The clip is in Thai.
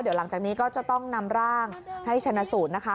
เดี๋ยวหลังจากนี้ก็จะต้องนำร่างให้ชนะสูตรนะคะ